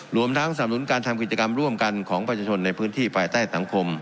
รวมทั้งสนับหนุนการทำกิจกรรมร่วมกันของประชาชนในพื้นที่ภายใต้สังคม